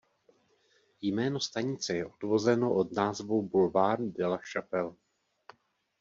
Jméno stanice je odvozeno od názvu "Boulevardu de la Chapelle".